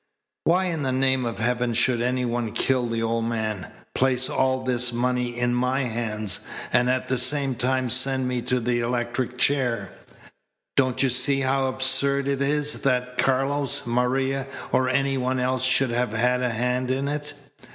Why in the name of heaven should any one kill the old man, place all this money in my hands, and at the same time send me to the electric chair? Don't you see how absurd it is that Carlos, Maria, or any one else should have had a hand in it?